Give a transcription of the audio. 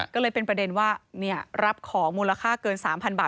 ก็เลยเป็นประเด็นว่ารับของมูลค่าเกิน๓๐๐บาท